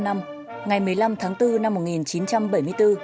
ngày một mươi năm tháng bốn năm một nghìn chín trăm bảy mươi bốn